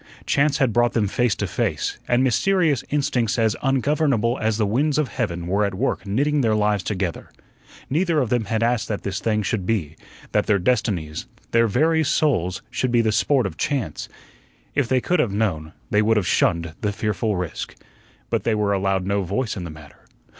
Chance had brought them face to face, and mysterious instincts as ungovernable as the winds of heaven were at work knitting their lives together. Neither of them had asked that this thing should be that their destinies, their very souls, should be the sport of chance. If they could have known, they would have shunned the fearful risk. But they were allowed no voice in the matter.